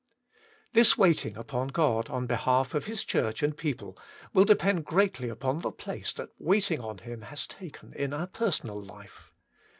This waiting upon God on behalf of His Church and people will depend greatly upon the place that waiting on Him has taken in our personal life.